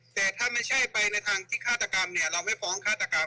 แต่ถ้าไม่ใช่ไปทางข้าตกรรมเราไม่มาฟ้องฆาตกรรม